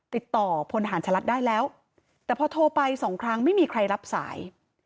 ติดต่อพลฐานชะลัดได้แล้วแต่พอโทรไปสองครั้งไม่มีใครรับสาย